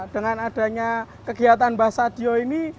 dengan adanya kegiatan bahasa sadiyu ini